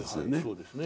そうですね。